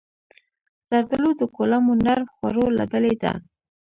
زردالو د کولمو نرم خوړو له ډلې ده.